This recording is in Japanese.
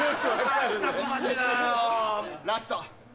ラスト！